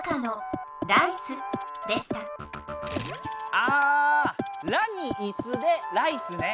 あ「ラ」に「イス」で「ライス」ね。